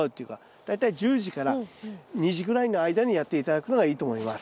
大体１０時から２時ぐらいの間にやって頂くのがいいと思います。